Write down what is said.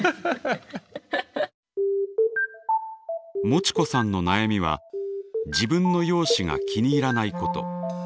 もちこさんの悩みは自分の容姿が気に入らないこと。